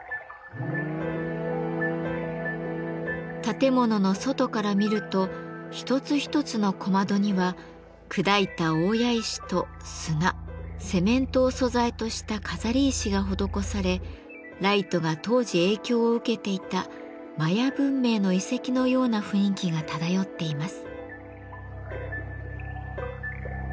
建物の外から見ると一つ一つの小窓には砕いた大谷石と砂セメントを素材とした飾り石が施されライトが当時影響を受けていたマヤ文明の遺跡のような雰囲気が漂っています。